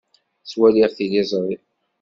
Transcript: Ttwaliɣ tiliẓri.